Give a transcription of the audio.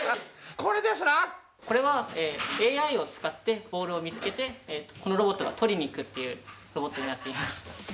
これはＡＩを使ってボールを見つけてこのロボットが取りに行くっていうロボットになっています。